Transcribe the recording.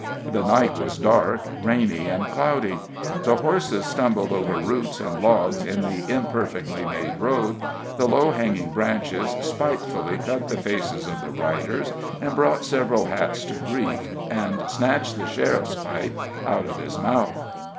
The night was dark, rainy and cloudy; the horses stumbled over roots and logs in the imperfectly made road; the low hanging branches spitefully cut the faces of the riders, and brought several hats to grief, and snatched the sheriff's pipe out of his mouth.